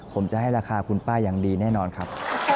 ผมจะให้ราคาคุณป้าอย่างดีแน่นอนครับ